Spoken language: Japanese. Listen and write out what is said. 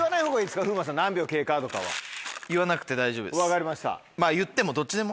分かりました。